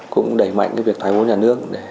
cũng đẩy mạnh việc thoái vốn nhà nước